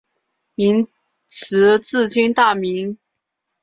明时治今大名。